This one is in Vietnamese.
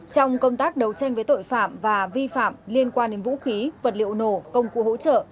trong công tác đấu tranh với tội phạm và vi phạm liên quan đến vũ khí vật liệu nổ công cụ hỗ trợ